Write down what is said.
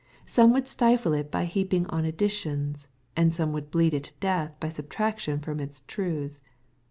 Some would stifle it by heaping on additions, and some would bleed it to death by subtraction from its truths.